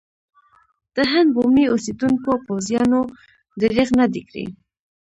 د هند بومي اوسېدونکو پوځیانو درېغ نه دی کړی.